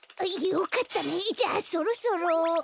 よかったねじゃあそろそろ。